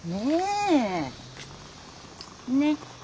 ねっ。